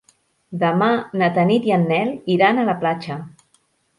Demà na Tanit i en Nel iran a la platja.